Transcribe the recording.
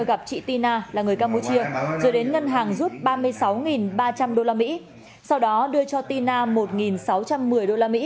gặp chị na là người campuchia rồi đến ngân hàng rút ba mươi sáu ba trăm linh usd sau đó đưa cho tina một sáu trăm một mươi usd